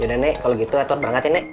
ya udah nek kalau gitu atuh berangkat nek